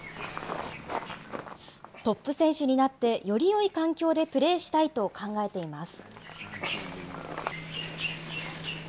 トップ選手になって、よりよい環境でプレーしたいと考えています。